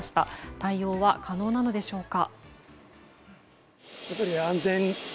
対応は可能なのでしょうか。